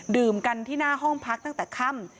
ดื่มกันที่หน้าห้องพักตั้งแต่ค่ำ